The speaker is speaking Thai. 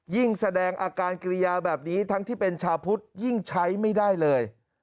แสดงอาการกิริยาแบบนี้ทั้งที่เป็นชาวพุทธยิ่งใช้ไม่ได้เลย